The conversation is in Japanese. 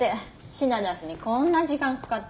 品出しにこんな時間かかって。